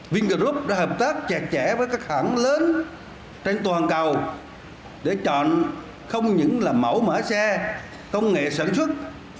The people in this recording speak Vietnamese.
vingroup đã hợp tác chặt chẽ với các hãng lớn trên toàn cầu để chọn không những là mẫu mở xe công nghệ sản xuất